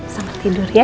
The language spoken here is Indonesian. selamat tidur ya